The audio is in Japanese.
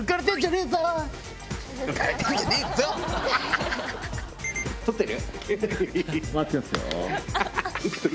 映ってる？